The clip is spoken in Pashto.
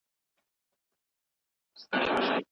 څه چې مو خوړلي، سردرد اغېزمنوي.